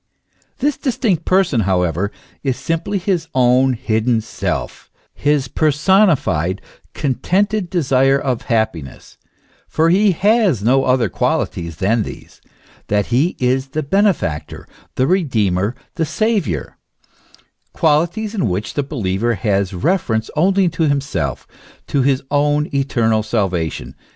This distinct person, however, is simply his own hidden self, his personified, contented desire of happiness : for he has no other qualities than these, that he is the benefactor, the Redeemer, the Saviour, qualities in which the believer has reference only to himself, to his own eternal salvation.